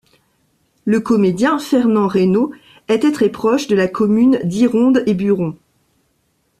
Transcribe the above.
Le comédien Fernand Raynaud était très proche de la commune d'Yronde-et-Buron.